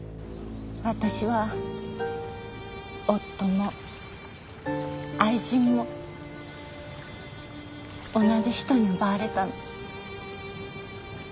私は夫も愛人も同じ人に奪われたの。